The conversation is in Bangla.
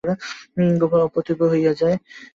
গোপাল অপ্রতিভ হইয়া যায়।